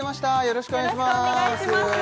よろしくお願いします